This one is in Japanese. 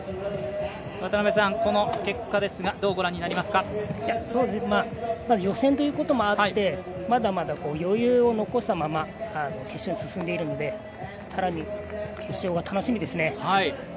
この結果ですがどうご覧になりますか？予選ということもあってまだまだ余裕を残したまま決勝に進んでいるので、更に決勝が楽しみですね。